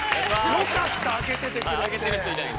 ◆よかった、開けてくれて。